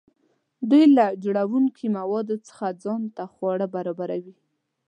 دوی له جوړونکي موادو څخه ځان ته خواړه برابروي.